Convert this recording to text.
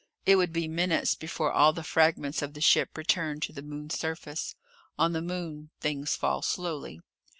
It would be minutes before all the fragments of the ship returned to the Moon's surface. On the Moon, things fall slowly.